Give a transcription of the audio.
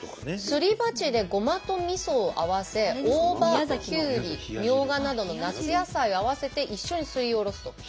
すり鉢でごまとみそを合わせ大葉きゅうりみょうがなどの夏野菜を合わせて一緒にすりおろすと。